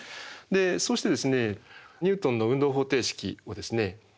そしてニュートンの運動方程式をですね